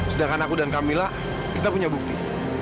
sedangkan aku dan camilla kita punya bukti